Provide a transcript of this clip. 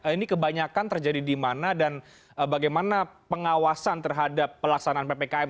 ini kebanyakan terjadi di mana dan bagaimana pengawasan terhadap pelaksanaan ppkm